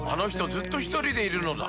ずっとひとりでいるのだ